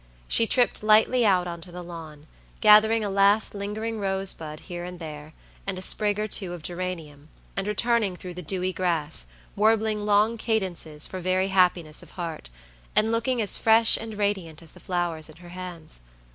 She tripped lightly out onto the lawn, gathering a last lingering rosebud here and there, and a sprig or two of geranium, and returning through the dewy grass, warbling long cadences for very happiness of heart, and looking as fresh and radiant as the flowers in her hands.